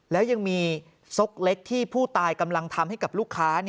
แล้วยังมีซกเล็กที่ผู้ตายกำลังทำให้กับลูกค้า